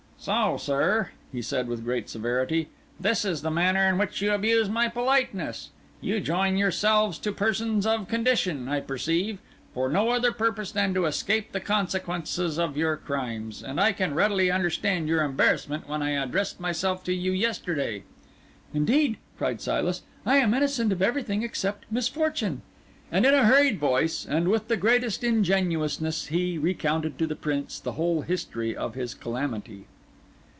"So, sir," he said, with great severity, "this is the manner in which you abuse my politeness. You join yourselves to persons of condition, I perceive, for no other purpose than to escape the consequences of your crimes; and I can readily understand your embarrassment when I addressed myself to you yesterday." "Indeed," cried Silas, "I am innocent of everything except misfortune." And in a hurried voice, and with the greatest ingenuousness, he recounted to the Prince the whole history of his calamity.